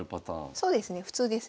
そうですね普通ですね。